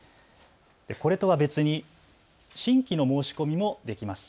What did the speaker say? これとは別に新規の申し込みもできます。